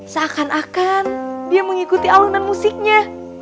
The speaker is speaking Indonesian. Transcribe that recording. seakan akan dia mengikuti alunan musiknya